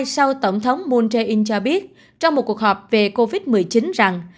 sau tổng thống moon jae in cho biết trong một cuộc họp về covid một mươi chín rằng